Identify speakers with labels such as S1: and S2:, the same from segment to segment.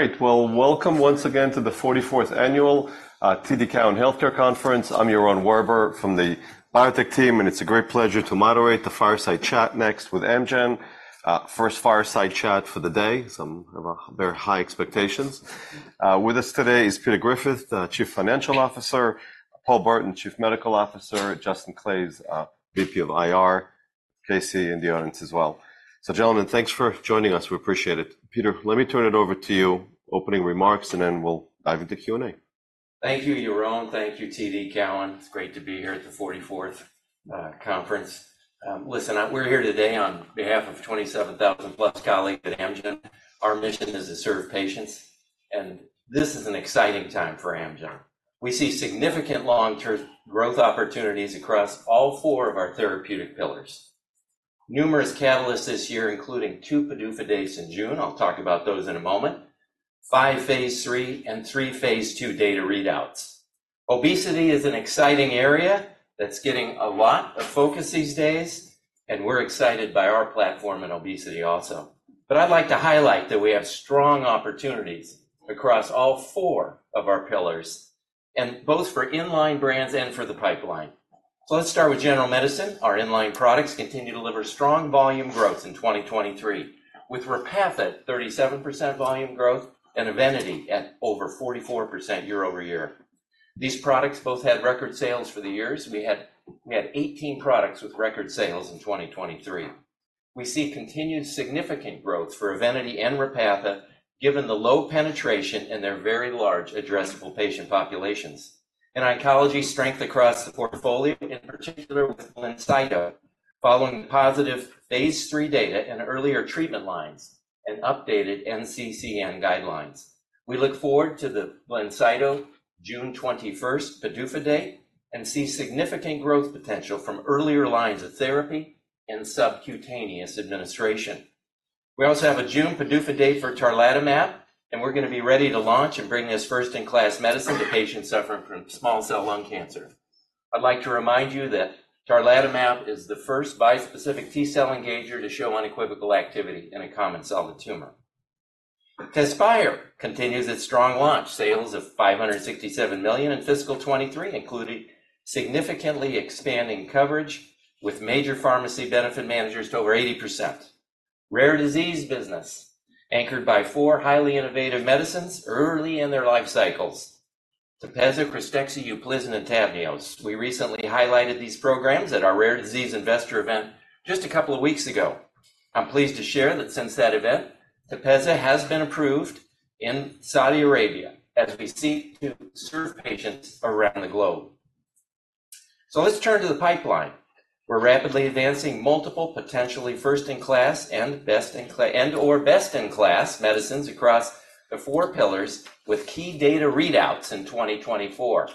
S1: All right, well, welcome once again to the 44th annual TD Cowen Healthcare Conference. I'm Yaron Werber from the biotech team, and it's a great pleasure to moderate the fireside chat next with Amgen. First fireside chat for the day, so I'm having very high expectations. With us today is Peter Griffith, Chief Financial Officer; Paul Burton, Chief Medical Officer; Justin Claeys, VP of IR; Casey in the audience as well. So gentlemen, thanks for joining us. We appreciate it. Peter, let me turn it over to you, opening remarks, and then we'll dive into Q&A.
S2: Thank you, Yaron. Thank you, TD Cowen. It's great to be here at the 44th conference. Listen, we're here today on behalf of 27,000+ colleagues at Amgen. Our mission is to serve patients, and this is an exciting time for Amgen. We see significant long-term growth opportunities across all four of our therapeutic pillars. Numerous catalysts this year, including two PDUFA days in June, I'll talk about those in a moment, five phase III and three phase II data readouts. Obesity is an exciting area that's getting a lot of focus these days, and we're excited by our platform in obesity also. But I'd like to highlight that we have strong opportunities across all four of our pillars, both for inline brands and for the pipeline. So let's start with general medicine. Our inline products continue to deliver strong volume growth in 2023, with Repatha 37% volume growth and EVENITY at over 44% year over year. These products both had record sales for the years. We had 18 products with record sales in 2023. We see continued significant growth for EVENITY and Repatha, given the low penetration and their very large addressable patient populations. In oncology, strength across the portfolio, in particular with BLINCYTO, following positive phase III data and earlier treatment lines and updated NCCN guidelines. We look forward to the BLINCYTO June 21st PDUFA day and see significant growth potential from earlier lines of therapy and subcutaneous administration. We also have a June PDUFA day for tarlatamab, and we're going to be ready to launch and bring this first-in-class medicine to patients suffering from small cell lung cancer. I'd like to remind you that tarlatamab is the first bispecific T-cell engager to show unequivocal activity in a common solid tumor. TEZSPIRE continues its strong launch, sales of $567 million in fiscal 2023, including significantly expanding coverage with major pharmacy benefit managers to over 80%. Rare disease business, anchored by four highly innovative medicines early in their life cycles: TEPEZZA, KRYSTEXXA, UPLIZNA, and TAVNEOS. We recently highlighted these programs at our Rare Disease Investor event just a couple of weeks ago. I'm pleased to share that since that event, TEPEZZA has been approved in Saudi Arabia as we seek to serve patients around the globe. So let's turn to the pipeline. We're rapidly advancing multiple potentially first-in-class and/or best-in-class medicines across the four pillars with key data readouts in 2024.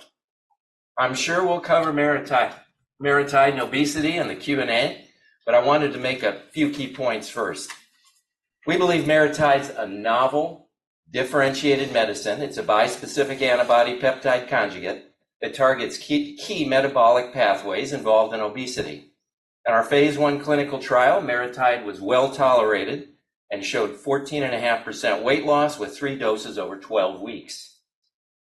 S2: I'm sure we'll cover MariTide and obesity in the Q&A, but I wanted to make a few key points first. We believe MariTide is a novel, differentiated medicine. It's a bispecific antibody peptide conjugate that targets key metabolic pathways involved in obesity. In our phase I clinical trial, MariTide was well tolerated and showed 14.5% weight loss with three doses over 12 weeks.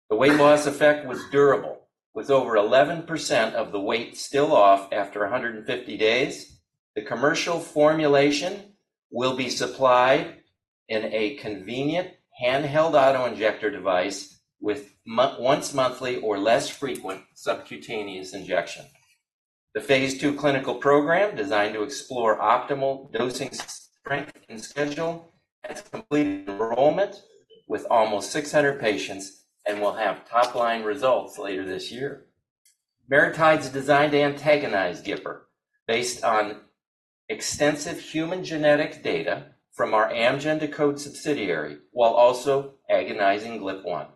S2: The weight loss effect was durable, with over 11% of the weight still off after 150 days. The commercial formulation will be supplied in a convenient handheld autoinjector device with once-monthly or less frequent subcutaneous injection. The phase II clinical program, designed to explore optimal dosing strength and schedule, has completed enrollment with almost 600 patients and will have top-line results later this year. MariTide is designed to antagonize GIPR based on extensive human genetic data from our Amgen deCODE subsidiary while also agonizing GLP-1.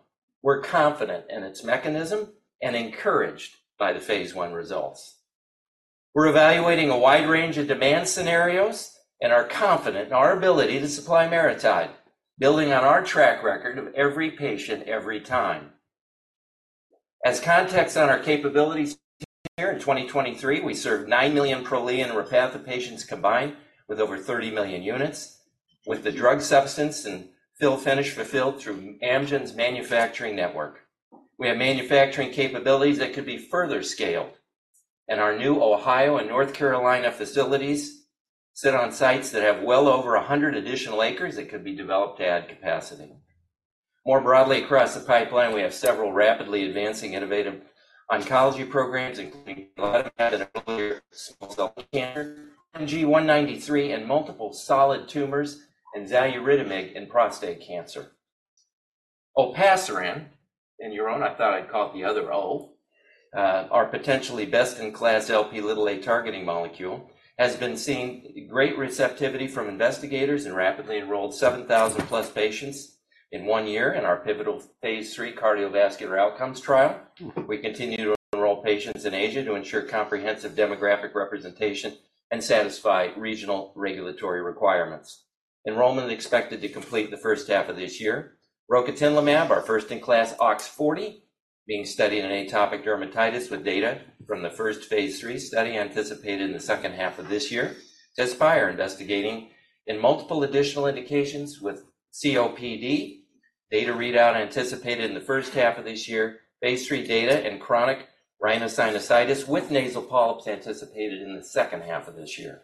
S2: We're confident in its mechanism and encouraged by the phase I results. We're evaluating a wide range of demand scenarios and are confident in our ability to supply MariTide, building on our track record of every patient, every time. As context on our capabilities here in 2023, we serve 9 million Prolia and Repatha patients combined with over 30 million units, with the drug substance and fill-finish fulfilled through Amgen's manufacturing network. We have manufacturing capabilities that could be further scaled, and our new Ohio and North Carolina facilities sit on sites that have well over 100 additional acres that could be developed to add capacity. More broadly across the pipeline, we have several rapidly advancing innovative oncology programs, including a lot of that in earlier small cell cancer, AMG 193, and multiple solid tumors and xaluritamig in prostate cancer. Olpasiran—and Yaron, I thought I'd call it the other O—our potentially best-in-class Lp(a) targeting molecule has been seeing great receptivity from investigators and rapidly enrolled 7,000+ patients in one year in our pivotal phase III cardiovascular outcomes trial. We continue to enroll patients in Asia to ensure comprehensive demographic representation and satisfy regional regulatory requirements. Enrollment is expected to complete the first half of this year. Rocatinlimab, our first-in-class OX40, is being studied in atopic dermatitis with data from the first phase III study anticipated in the second half of this year. TEZSPIRE is investigating in multiple additional indications with COPD. Data readout anticipated in the first half of this year. Phase III data in chronic rhinosinusitis with nasal polyps anticipated in the second half of this year.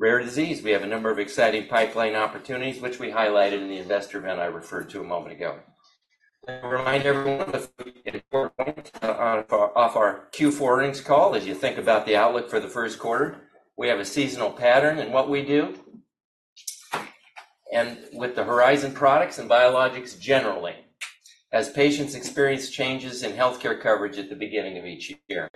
S2: Rare disease, we have a number of exciting pipeline opportunities, which we highlighted in the investor event I referred to a moment ago. I want to remind everyone of an important point off our Q4 earnings call. As you think about the outlook for the first quarter, we have a seasonal pattern in what we do and with the Horizon products and biologics generally, as patients experience changes in healthcare coverage at the beginning of each year.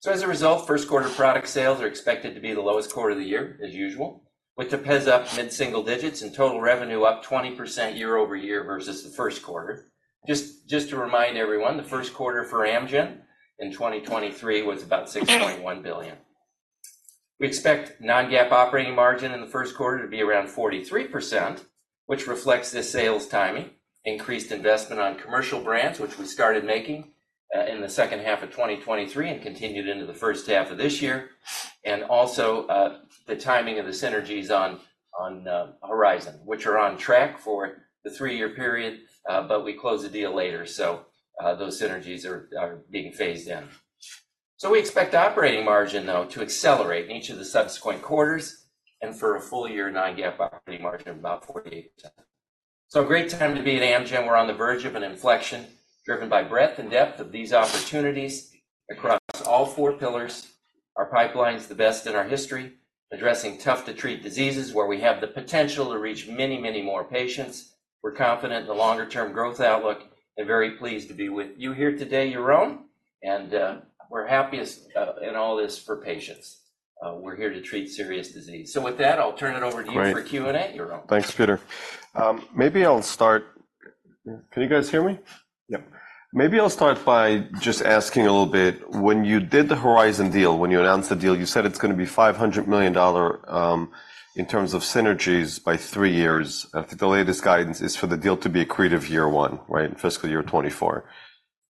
S2: So as a result, first-quarter product sales are expected to be the lowest quarter of the year, as usual, with TEPEZZA up mid-single digits and total revenue up 20% year-over-year versus the first quarter. Just to remind everyone, the first quarter for Amgen in 2023 was about $6.1 billion. We expect non-GAAP operating margin in the first quarter to be around 43%, which reflects this sales timing, increased investment on commercial brands, which we started making in the second half of 2023 and continued into the first half of this year, and also the timing of the synergies on Horizon, which are on track for the three-year period, but we closed the deal later. So those synergies are being phased in. So we expect operating margin, though, to accelerate in each of the subsequent quarters and for a full year non-GAAP operating margin of about 48%. So a great time to be at Amgen. We're on the verge of an inflection driven by breadth and depth of these opportunities across all four pillars. Our pipeline is the best in our history, addressing tough-to-treat diseases where we have the potential to reach many, many more patients. We're confident in the longer-term growth outlook and very pleased to be with you here today, Yaron. And we're happiest in all this for patients. We're here to treat serious disease. So with that, I'll turn it over to you for Q&A, Yaron.
S1: Thanks, Peter. Maybe I'll start. Can you guys hear me? Yep. Maybe I'll start by just asking a little bit. When you did the Horizon deal, when you announced the deal, you said it's going to be $500 million in terms of synergies by three years. I think the latest guidance is for the deal to be accretive year one, right, fiscal year 2024.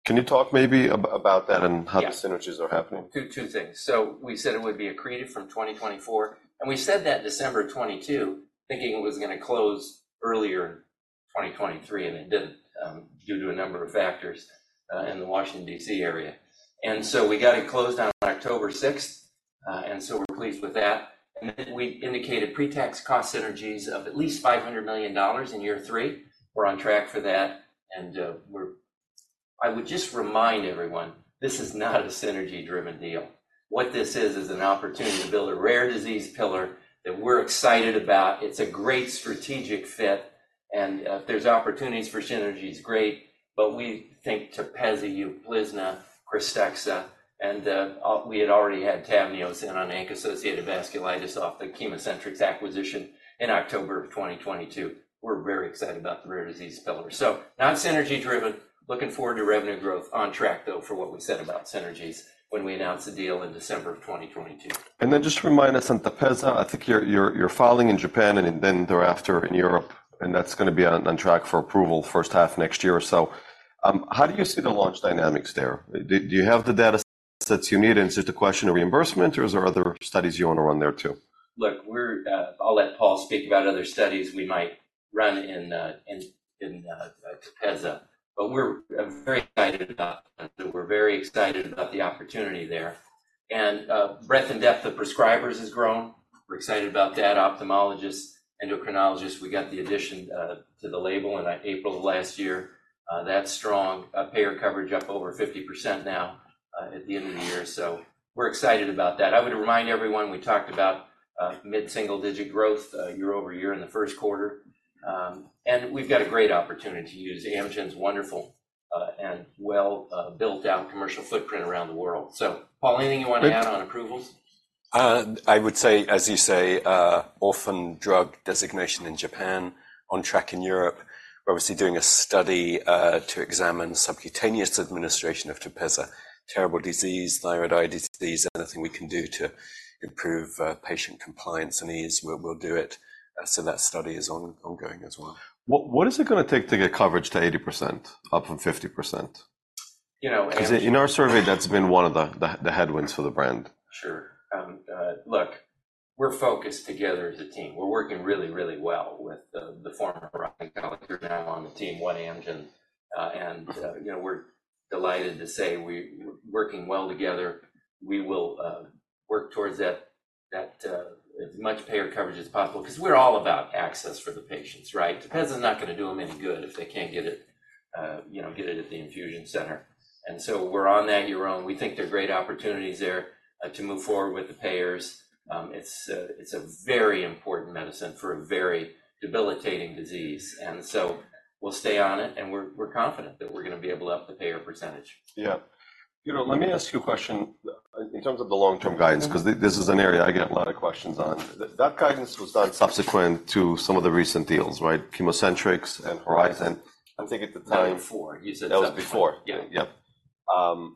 S1: Can you talk maybe about that and how the synergies are happening?
S2: Yeah. Two things. So we said it would be accretive from 2024, and we said that December 2022, thinking it was going to close earlier in 2023, and it didn't due to a number of factors in the Washington, D.C. area. And so we got it closed on October 6th, and so we're pleased with that. And then we indicated pre-tax cost synergies of at least $500 million in year three. We're on track for that. And I would just remind everyone, this is not a synergy-driven deal. What this is, is an opportunity to build a rare disease pillar that we're excited about. It's a great strategic fit. And if there's opportunities for synergies, great. But we think TEPEZZA, UPLIZNA, KRYSTEXXA, and we had already had TAVNEOS in on ANCA-associated vasculitis off the ChemoCentryx acquisition in October of 2022. We're very excited about the rare disease pillar. Not synergy-driven, looking forward to revenue growth, on track, though, for what we said about synergies when we announced the deal in December of 2022.
S1: Then just to remind us, on TEPEZZA, I think you're filing in Japan and then thereafter in Europe, and that's going to be on track for approval first half next year or so. How do you see the launch dynamics there? Do you have the data sets you need? And is it a question of reimbursement, or is there other studies you want to run there too?
S2: Look, I'll let Paul speak about other studies we might run in TEPEZZA, but we're very excited about that. We're very excited about the opportunity there. Breadth and depth of prescribers has grown. We're excited about that. Ophthalmologists, endocrinologists, we got the addition to the label in April of last year. That's strong. Payer coverage up over 50% now at the end of the year. We're excited about that. I would remind everyone, we talked about mid-single-digit growth year-over-year in the first quarter. We've got a great opportunity to use Amgen's wonderful and well-built-out commercial footprint around the world. Paul, anything you want to add on approvals?
S3: I would say, as you say, orphan drug designation in Japan, on track in Europe. We're obviously doing a study to examine subcutaneous administration of TEPEZZA, terrible disease, thyroid eye disease, anything we can do to improve patient compliance and ease. We'll do it. So that study is ongoing as well.
S1: What is it going to take to get coverage to 80% up from 50%? Because in our survey, that's been one of the headwinds for the brand.
S2: Sure. Look, we're focused together as a team. We're working really, really well with the former oncologist who's now on the team at Amgen. And we're delighted to say we're working well together. We will work towards that as much payer coverage as possible because we're all about access for the patients, right? TEPEZZA is not going to do them any good if they can't get it at the infusion center. And so we're on that, Yaron. We think there are great opportunities there to move forward with the payers. It's a very important medicine for a very debilitating disease. And so we'll stay on it, and we're confident that we're going to be able to up the payer percentage.
S1: Yeah. Let me ask you a question in terms of the long-term guidance because this is an area I get a lot of questions on. That guidance was done subsequent to some of the recent deals, right, ChemoCentryx and Horizon. I think at the time.
S2: That was before. He said that was before.
S1: That was before. Yeah.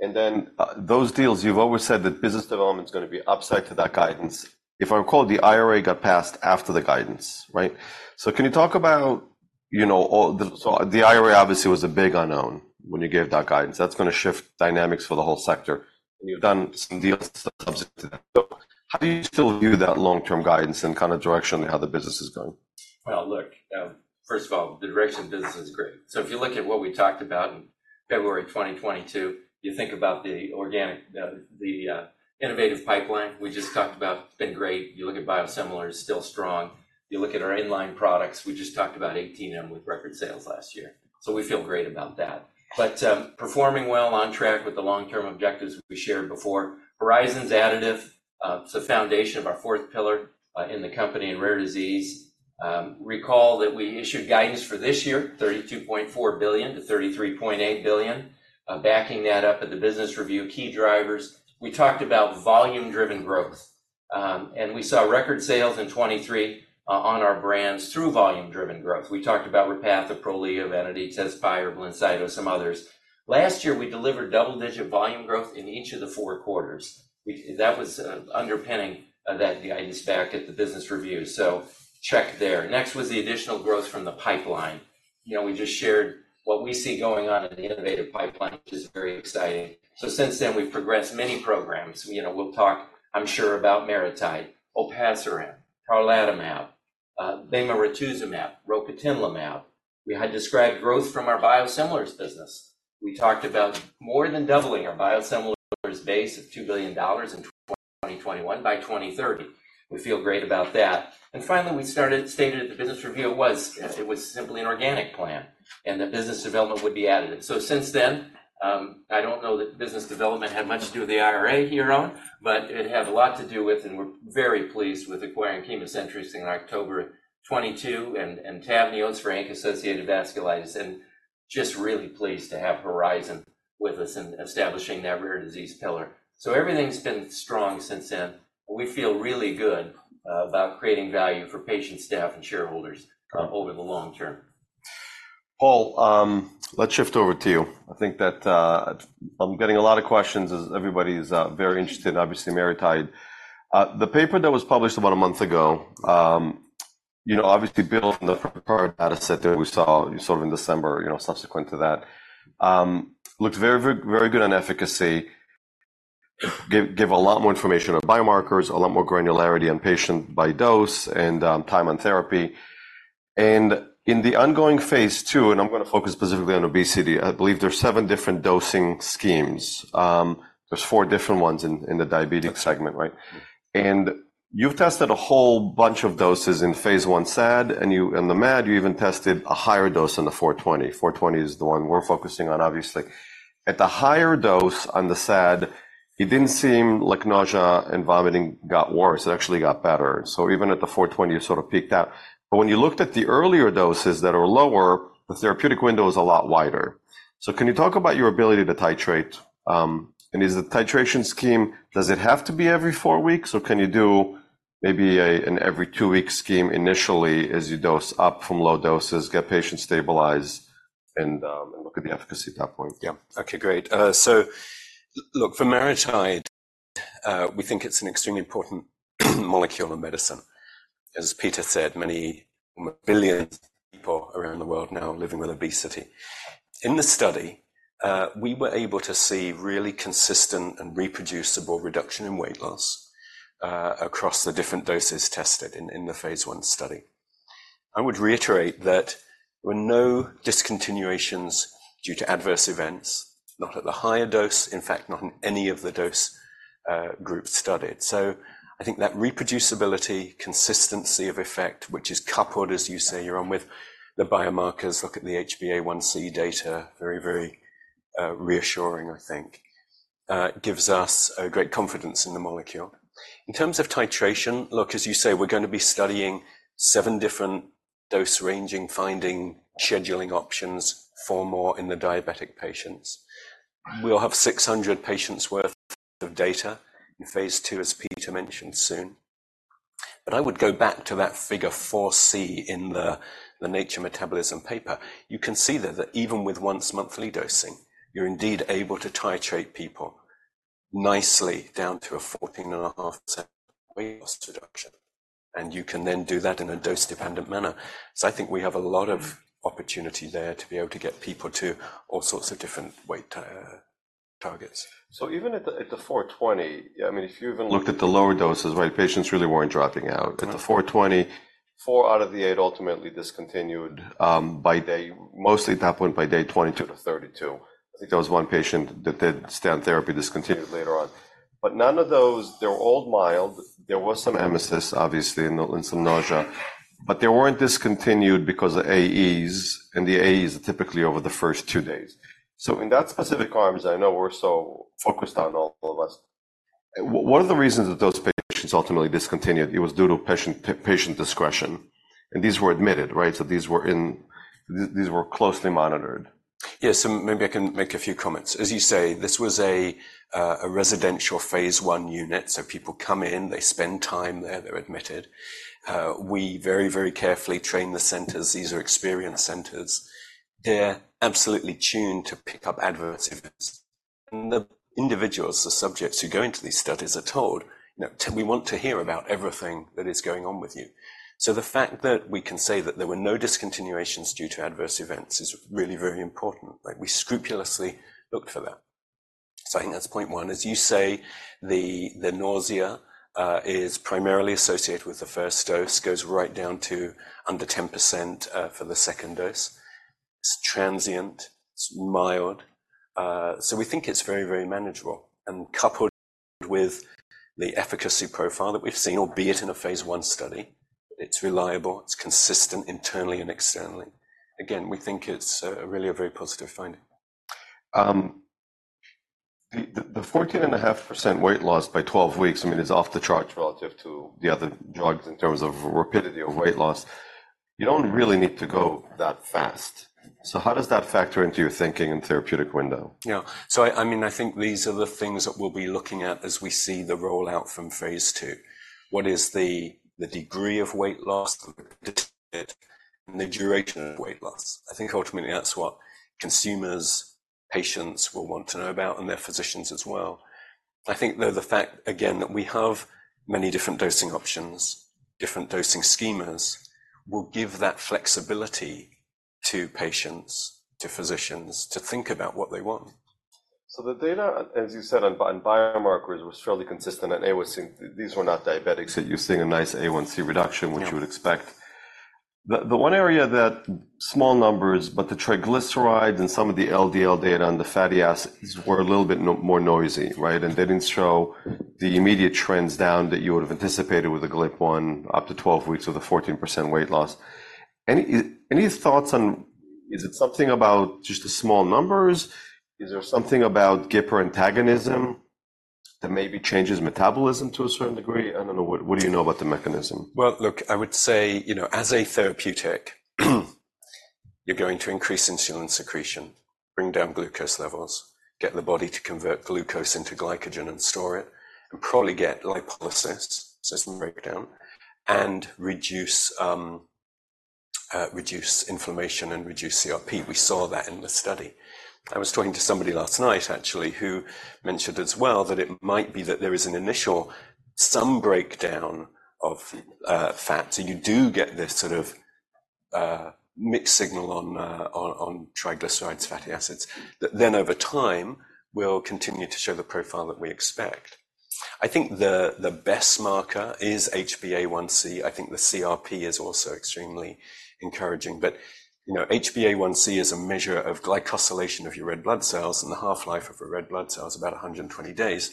S1: And then those deals, you've always said that business development is going to be upside to that guidance. If I recall, the IRA got passed after the guidance, right? So can you talk about so the IRA, obviously, was a big unknown when you gave that guidance. That's going to shift dynamics for the whole sector. And you've done some deals subsequent to that. So how do you still view that long-term guidance and kind of directionally how the business is going?
S2: Well, look, first of all, the dermatology business is great. So if you look at what we talked about in February 2022, you think about the organic, the innovative pipeline we just talked about, it's been great. You look at biosimilars, still strong. You look at our inline products, we just talked about $1.8 billion with record sales last year. So we feel great about that. But performing well, on track with the long-term objectives we shared before. Horizon's additive, it's the foundation of our fourth pillar in the company in rare disease. Recall that we issued guidance for this year, $32.4 billion-$33.8 billion, backing that up at the business review, key drivers. We talked about volume-driven growth. And we saw record sales in 2023 on our brands through volume-driven growth. We talked about Repatha, Prolia, EVENITY, TEZSPIRE, BLINCYTO, some others. Last year, we delivered double-digit volume growth in each of the four quarters. That was underpinning that guidance back at the business review. Check there. Next was the additional growth from the pipeline. We just shared what we see going on in the innovative pipeline, which is very exciting. Since then, we've progressed many programs. We'll talk, I'm sure, about MariTide, olpasiran, tarlatamab, bemarituzumab, rocatinlimab. We had described growth from our biosimilars business. We talked about more than doubling our biosimilars base of $2 billion in 2021 by 2030. We feel great about that. Finally, we stated at the business review it was simply an organic plan and that business development would be additive. So since then, I don't know that business development had much to do with the IRA, Yaron, but it had a lot to do with, and we're very pleased with acquiring ChemoCentryx in October 2022 and TAVNEOS for ANCA-associated vasculitis. And just really pleased to have Horizon with us in establishing that rare disease pillar. So everything's been strong since then. We feel really good about creating value for patients, staff, and shareholders over the long term.
S1: Paul, let's shift over to you. I think that I'm getting a lot of questions as everybody's very interested, obviously, MariTide. The paper that was published about a month ago, obviously, built on the prior data set that we saw sort of in December subsequent to that, looked very, very good on efficacy, gave a lot more information on biomarkers, a lot more granularity on patient-by-dose and time on therapy. And in the ongoing phase too, and I'm going to focus specifically on obesity, I believe there are seven different dosing schemes. There's four different ones in the diabetic segment, right? And you've tested a whole bunch of doses in phase I SAD, and in the MAD, you even tested a higher dose on the 420. 420 is the one we're focusing on, obviously. At the higher dose on the SAD, it didn't seem like nausea and vomiting got worse. It actually got better. So even at the 420, it sort of peaked out. But when you looked at the earlier doses that are lower, the therapeutic window is a lot wider. So can you talk about your ability to titrate? And is the titration scheme, does it have to be every four weeks? Or can you do maybe an every-two-week scheme initially as you dose up from low doses, get patients stabilized, and look at the efficacy at that point?
S3: Yeah. Okay. Great. So look, for MariTide, we think it's an extremely important molecule in medicine. As Peter said, many billions of people around the world now living with obesity. In the study, we were able to see really consistent and reproducible reduction in weight loss across the different doses tested in the phase one study. I would reiterate that there were no discontinuations due to adverse events, not at the higher dose, in fact, not in any of the dose groups studied. So I think that reproducibility, consistency of effect, which is coupled, as you say, Yaron, with the biomarkers, look at the HbA1c data, very, very reassuring, I think, gives us great confidence in the molecule. In terms of titration, look, as you say, we're going to be studying seven different dose-ranging finding scheduling options for more in the diabetic patients. We'll have 600 patients' worth of data in phase II, as Peter mentioned, soon. But I would go back to that figure 4C in the Nature Metabolism paper. You can see there that even with once-monthly dosing, you're indeed able to titrate people nicely down to a 14.5% weight loss reduction. And you can then do that in a dose-dependent manner. So I think we have a lot of opportunity there to be able to get people to all sorts of different weight targets.
S1: Even at the $420, I mean, if you even. Looked at the lower doses, right? Patients really weren't dropping out. At the 420, four out of the eight ultimately discontinued by day, mostly at that point, by day 22-32. I think there was one patient that did stay on therapy, discontinued later on. But none of those, they're all mild. There was some emesis, obviously, and some nausea. But they weren't discontinued because of AEs. And the AEs are typically over the first two days. So in that specific arms, I know we're so focused on all of us. One of the reasons that those patients ultimately discontinued, it was due to patient discretion. And these were admitted, right? So these were closely monitored.
S3: Yeah. So maybe I can make a few comments. As you say, this was a residential phase I unit. So people come in, they spend time there, they're admitted. We very, very carefully train the centers. These are experience centers. They're absolutely tuned to pick up adverse events. The individuals, the subjects who go into these studies are told, "We want to hear about everything that is going on with you." So the fact that we can say that there were no discontinuations due to adverse events is really, very important. We scrupulously looked for that. So I think that's point one. As you say, the nausea is primarily associated with the first dose, goes right down to under 10% for the second dose. It's transient. It's mild. So we think it's very, very manageable and coupled with the efficacy profile that we've seen, albeit in a phase I study. It's reliable. It's consistent internally and externally. Again, we think it's really a very positive finding.
S1: The 14.5% weight loss by 12 weeks, I mean, is off the charts relative to the other drugs in terms of rapidity of weight loss. You don't really need to go that fast. So how does that factor into your thinking and therapeutic window?
S3: Yeah. So I mean, I think these are the things that we'll be looking at as we see the rollout from phase II. What is the degree of weight loss, the predictor, and the duration of weight loss? I think ultimately, that's what consumers, patients will want to know about, and their physicians as well. I think, though, the fact, again, that we have many different dosing options, different dosing schemas will give that flexibility to patients, to physicians, to think about what they want.
S1: So the data, as you said, on biomarkers was fairly consistent, and these were not diabetics that you're seeing a nice A1c reduction, which you would expect. The one area that small numbers, but the triglycerides and some of the LDL data and the fatty acids were a little bit more noisy, right? And they didn't show the immediate trends down that you would have anticipated with the GLP-1 up to 12 weeks with a 14% weight loss. Any thoughts on is it something about just the small numbers? Is there something about GIPR antagonism that maybe changes metabolism to a certain degree? I don't know. What do you know about the mechanism?
S3: Well, look, I would say as a therapeutic, you're going to increase insulin secretion, bring down glucose levels, get the body to convert glucose into glycogen and store it, and probably get lipolysis, so some breakdown, and reduce inflammation and reduce CRP. We saw that in the study. I was talking to somebody last night, actually, who mentioned as well that it might be that there is an initial some breakdown of fat. So you do get this sort of mixed signal on triglycerides, fatty acids, that then over time will continue to show the profile that we expect. I think the best marker is HbA1c. I think the CRP is also extremely encouraging. But HbA1c is a measure of glycosylation of your red blood cells, and the half-life of a red blood cell is about 120 days.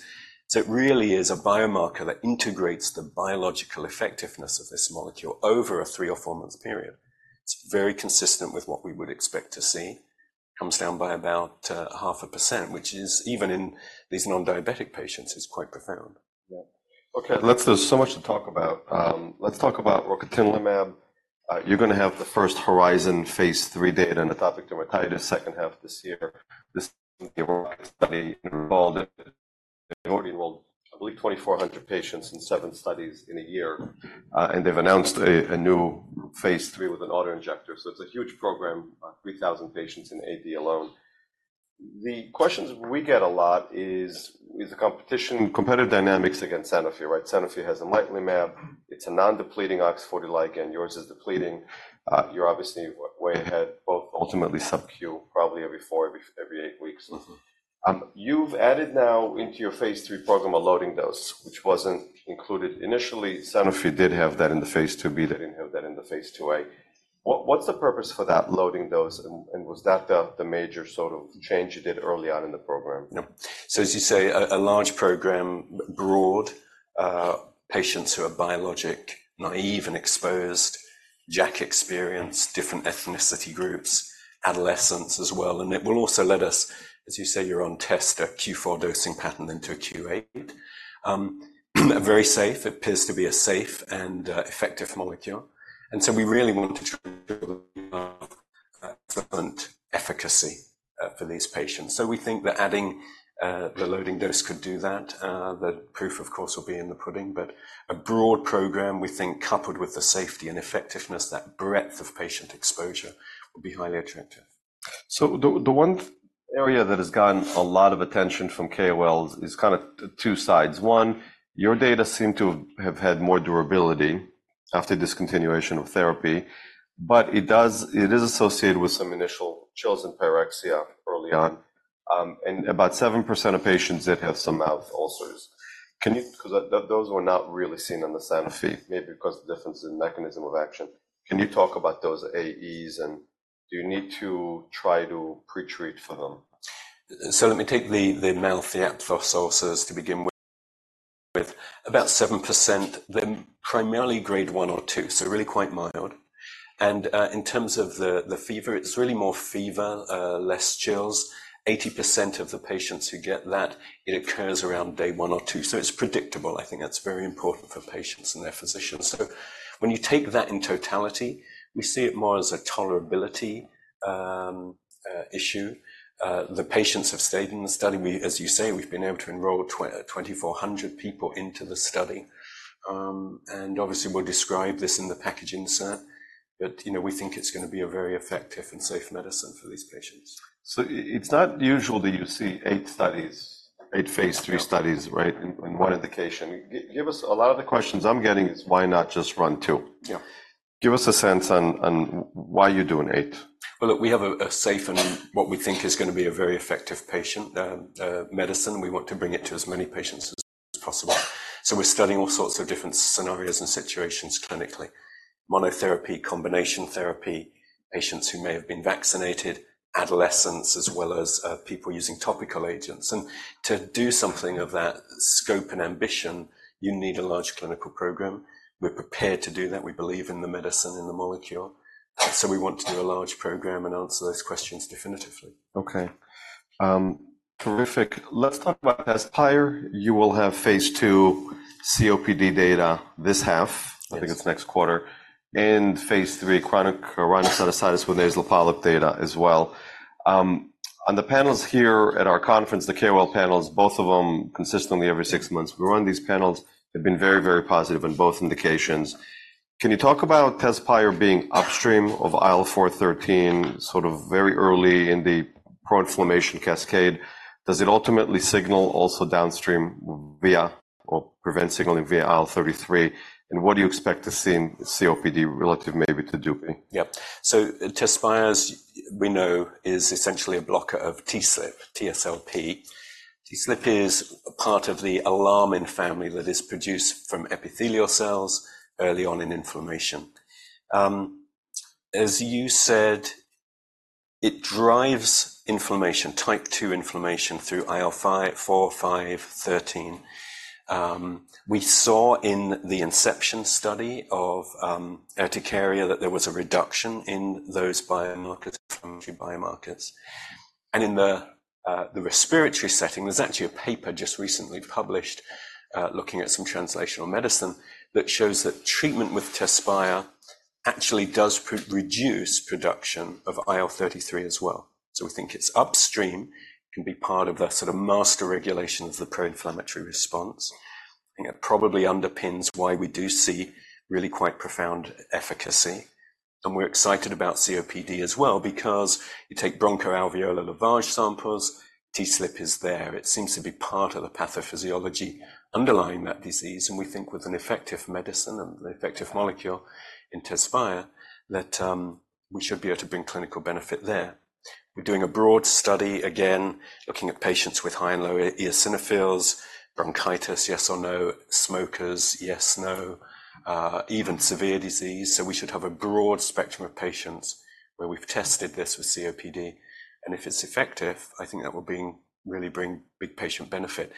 S3: It really is a biomarker that integrates the biological effectiveness of this molecule over a three or four months period. It's very consistent with what we would expect to see. It comes down by about 0.5%, which even in these non-diabetic patients is quite profound.
S1: Yeah. Okay. There's so much to talk about. Let's talk about rocatinlimab. You're going to have the first Horizon phase III data on atopic dermatitis second half this year. This is the Rocket study involved. They've already enrolled, I believe, 2,400 patients in seven studies in a year. And they've announced a new phase III with an autoinjector. So it's a huge program, 3,000 patients in AD alone. The questions we get a lot is the competitive dynamics against Sanofi, right? Sanofi has a amlitelimab. It's a non-depleting OX40 ligand. Yours is depleting. You're obviously way ahead, both ultimately subcu probably every four, every eight weeks. You've added now into your phase III program a loading dose, which wasn't included initially. Sanofi did have that in the phase II-B. They didn't have that in the phase II-A. What's the purpose for that loading dose? Was that the major sort of change you did early on in the program?
S3: Yeah. So as you say, a large program, broad, patients who are biologic-naive and exposed, JAK experience, different ethnicity groups, adolescents as well. And it will also let us, as you say, you're on test, a Q4 dosing pattern into a Q8, a very safe, appears to be a safe and effective molecule. And so we really want to ensure excellent efficacy for these patients. So we think that adding the loading dose could do that. The proof, of course, will be in the pudding. But a broad program, we think, coupled with the safety and effectiveness, that breadth of patient exposure will be highly attractive.
S1: So the one area that has gotten a lot of attention from KOLs is kind of two sides. One, your data seem to have had more durability after discontinuation of therapy. But it is associated with some initial chills and pyrexia early on. And about 7% of patients did have some mouth ulcers. Because those were not really seen on the Sanofi, maybe because of the difference in mechanism of action. Can you talk about those AEs, and do you need to try to pretreat for them?
S3: So let me take the mouth, the aphthous ulcers to begin with. About 7%, they're primarily grade one or two, so really quite mild. And in terms of the fever, it's really more fever, less chills. 80% of the patients who get that, it occurs around day one or two. So it's predictable. I think that's very important for patients and their physicians. So when you take that in totality, we see it more as a tolerability issue. The patients have stayed in the study. As you say, we've been able to enroll 2,400 people into the study. And obviously, we'll describe this in the package insert. But we think it's going to be a very effective and safe medicine for these patients.
S1: So it's not usual that you see eight phase three studies, right, in one indication. A lot of the questions I'm getting is, why not just run two? Give us a sense on why you're doing eight.
S3: Well, look, we have a safe and what we think is going to be a very effective patient medicine. We want to bring it to as many patients as possible. So we're studying all sorts of different scenarios and situations clinically: monotherapy, combination therapy, patients who may have been vaccinated, adolescents, as well as people using topical agents. And to do something of that scope and ambition, you need a large clinical program. We're prepared to do that. We believe in the medicine, in the molecule. So we want to do a large program and answer those questions definitively.
S1: Okay. Terrific. Let's talk about TEZSPIRE. You will have phase II COPD data this half. I think it's next quarter. phase III chronic rhinosinusitis with nasal polyps data as well. On the panels here at our conference, the KOL panels, both of them consistently every 6 months, we run these panels. They've been very, very positive in both indications. Can you talk about TEZSPIRE being upstream of IL-4, IL-13, sort of very early in the pro-inflammation cascade? Does it ultimately signal also downstream via or prevent signaling via IL-33? And what do you expect to see in COPD relative maybe to DUPI?
S3: Yeah. So TEZSPIRE, as we know, is essentially a blocker of TSLP. TSLP is part of the alarmin family that is produced from epithelial cells early on in inflammation. As you said, it drives inflammation, type 2 inflammation, through IL-4, 5, 13. We saw in the inception study of urticaria that there was a reduction in those biomarkers, inflammatory biomarkers. And in the respiratory setting, there's actually a paper just recently published looking at some translational medicine that shows that treatment with TEZSPIRE actually does reduce production of IL-33 as well. So we think it's upstream, can be part of the sort of master regulation of the pro-inflammatory response. I think it probably underpins why we do see really quite profound efficacy. And we're excited about COPD as well because you take bronchoalveolar lavage samples, TSLP is there. It seems to be part of the pathophysiology underlying that disease. And we think with an effective medicine and an effective molecule in TEZSPIRE, that we should be able to bring clinical benefit there. We're doing a broad study, again, looking at patients with high and low eosinophils, bronchitis, yes or no, smokers, yes/no, even severe disease. So we should have a broad spectrum of patients where we've tested this with COPD. And if it's effective, I think that will really bring big patient benefit.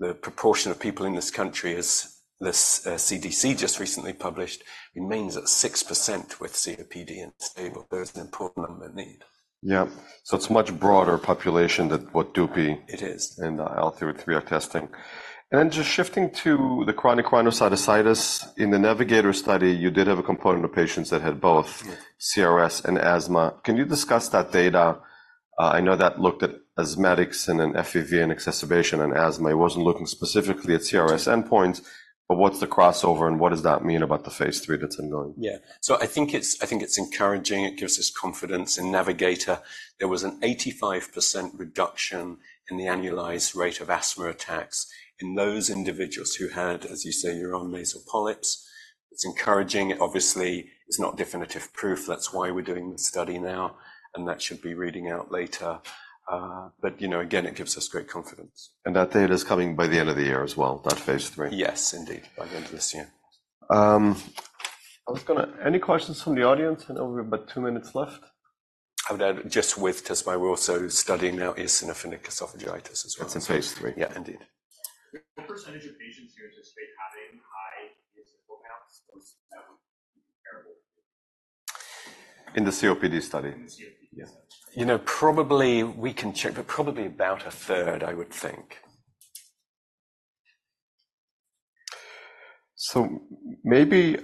S3: The proportion of people in this country, as the CDC just recently published, remains at 6% with COPD and stable. There is an important number in need.
S1: Yeah. So it's a much broader population than what DUPI and IL-33 are testing. And then just shifting to the chronic rhinosinusitis, in the Navigator study, you did have a component of patients that had both CRS and asthma. Can you discuss that data? I know that looked at asthmatics and an FEV and exacerbation and asthma. It wasn't looking specifically at CRS endpoints. But what's the crossover, and what does that mean about the phase III that's ongoing?
S3: Yeah. So I think it's encouraging. It gives us confidence. In Navigator, there was an 85% reduction in the annualized rate of asthma attacks in those individuals who had, as you say, your own nasal polyps. It's encouraging. Obviously, it's not definitive proof. That's why we're doing the study now. And that should be reading out later. But again, it gives us great confidence.
S1: That data is coming by the end of the year as well, that phase III?
S3: Yes, indeed, by the end of this year.
S1: Any questions from the audience? I know we've got two minutes left.
S3: Just with TEZSPIRE, we're also studying now eosinophilic esophagitis as well.
S1: That's in phase III?
S3: Yeah, indeed.
S4: What percentage of patients do you anticipate having high eosinophil counts?
S1: In the COPD study?
S4: In the COPD study?
S3: Yeah. Probably we can check, but probably about a third, I would think.
S1: So maybe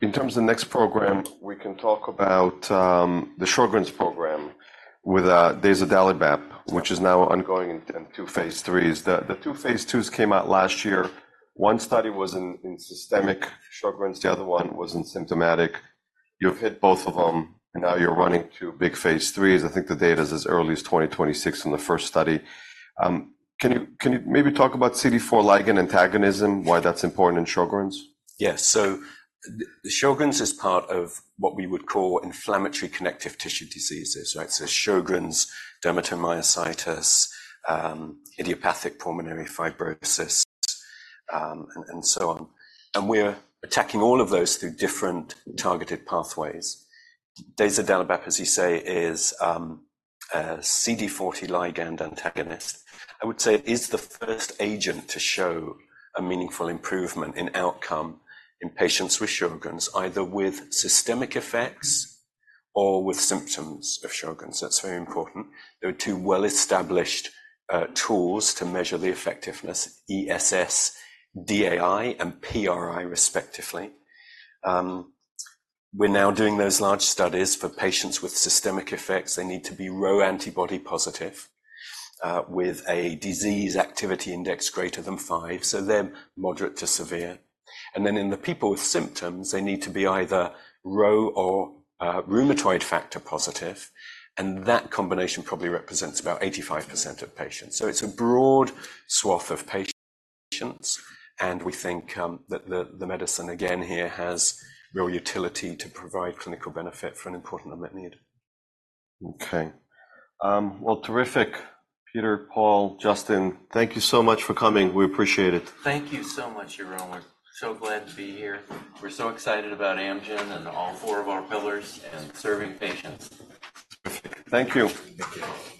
S1: in terms of the next program, we can talk about the Sjögren's program with dazodalibep, which is now ongoing into phase IIIs. The two phase IIs came out last year. One study was in systemic Sjögren's. The other one was in symptomatic. You've hit both of them. And now you're running two big phase IIIs. I think the data is as early as 2026 in the first study. Can you maybe talk about CD40 ligand antagonism, why that's important in Sjögren's?
S3: Yes. So Sjögren's is part of what we would call inflammatory connective tissue diseases, right? So Sjögren's, dermatomyositis, idiopathic pulmonary fibrosis, and so on. And we're attacking all of those through different targeted pathways. Dazodalibep, as you say, is a CD40 ligand antagonist. I would say it is the first agent to show a meaningful improvement in outcome in patients with Sjögren's, either with systemic effects or with symptoms of Sjögren's. That's very important. There are two well-established tools to measure the effectiveness, ESSDAI and ESSPRI, respectively. We're now doing those large studies for patients with systemic effects. They need to be Ro antibody positive with a disease activity index greater than five. So they're moderate to severe. And then in the people with symptoms, they need to be either Ro or rheumatoid factor positive. And that combination probably represents about 85% of patients. It's a broad swath of patients. We think that the medicine, again, here has real utility to provide clinical benefit for an important amount need.
S1: Okay. Well, terrific. Peter, Paul, Justin, thank you so much for coming. We appreciate it.
S2: Thank you so much, Yaron. So glad to be here. We're so excited about Amgen and all four of our pillars and serving patients.
S1: Terrific. Thank you.
S2: Thank you.